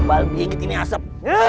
balikin ini asap